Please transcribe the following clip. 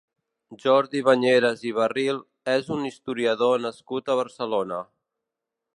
Jordi Bañeres i Barril és un historiador nascut a Barcelona.